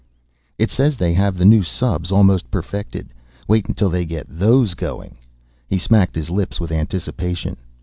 "It says they have the new subs almost perfected. Wait until they get those going." He smacked his lips with anticipation.